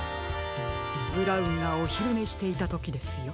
ブラウンがおひるねしていたときですよ。